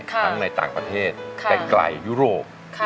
ทั้งในต่างประเทศแต่ไกลยุโรป